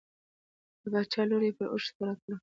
د باچا لور یې پر اوښ سپره کړه.